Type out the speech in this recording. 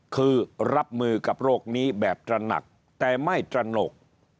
คือรับมือกับโรคนี้แบบตระหนักแต่ไม่ตระหนก